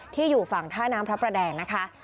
อยู่ฝั่งท่าน้ำพระประแดงนะคะ